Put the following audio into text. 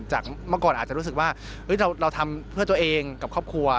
เมื่อก่อนอาจจะรู้สึกว่าเราทำเพื่อตัวเองกับครอบครัว